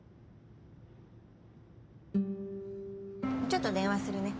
ちょっと電話するね。